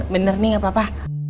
bener nih gapapa